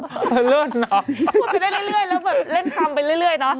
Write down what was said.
เออพูดไปได้เรื่อยแล้วแบบเล่นคำไปเรื่อยเนอะ